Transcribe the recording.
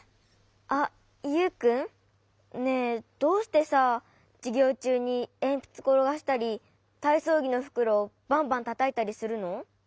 あっユウくん？ねえどうしてさじゅぎょうちゅうにえんぴつころがしたりたいそうぎのふくろバンバンたたいたりするの？